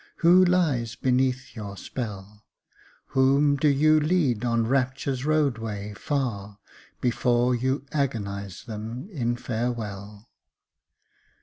Who lies beneath your spell? Whom do you lead on Rapture's roadway, far, Before you agonise them in farewell?